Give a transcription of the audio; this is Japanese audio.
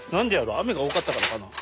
雨が多かったからかな。